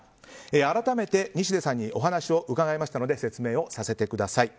改めて西出さんにお話を伺いましたので説明をさせてください。